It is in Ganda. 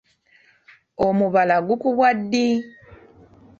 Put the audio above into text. Omubala gukubwa ddi?